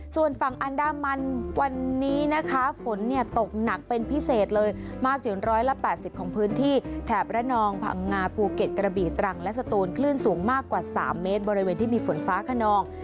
ส่วนฝั่งอันดามันวันนี้นะคะฝนตกหนักเป็นพิเศษเลยมากถึง๑๘๐ของพื้นที่แถบระนองพังงาภูเก็ตกระบีตรังและสตูนคลื่นสูงมากกว่า๓เมตรบริเวณที่มีฝนฟ้าขนอง